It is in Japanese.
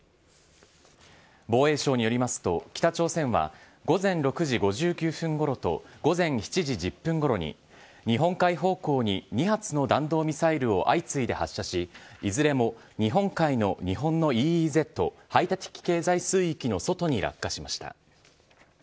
防衛省によりますと、北朝鮮は午前６時５９分ごろと午前７時１０分ごろに、日本海方向に２発の弾道ミサイルを相次いで発射し、いずれも日本海の日本のＥＥＺ・排他的経済水域の外に落下しました。